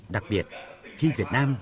đặc biệt khi việt nam